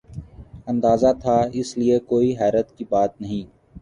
اندازہ تھا ، اس لئے کوئی حیرت کی بات نہیں ۔